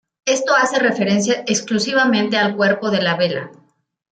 Esto hace referencia exclusivamente al cuerpo de la vela.